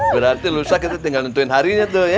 berarti lu sakitnya tinggal nuntuin harinya tuh ya